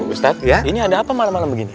ustadz ini anda apa malam malam begini